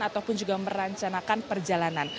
ataupun juga merancangkan perjalanan